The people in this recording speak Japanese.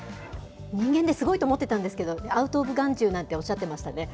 人間ってすごいと思ってたんですけど、アウトオブ眼中なんておっしゃってましたね。